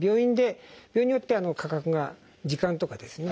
病院によって価格が時間とかですね